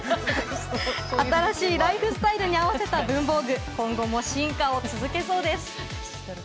新しいライフスタイルに合わせた文房具今後も進化を続けそうです。